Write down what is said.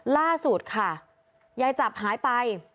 ล่าสุดค่ะยายจับหายไป